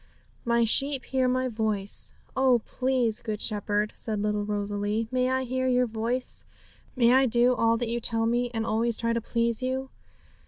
'"My sheep hear My voice." Oh, please Good Shepherd, said little Rosalie, 'may I hear your voice; may I do all that you tell me, and always try to please you!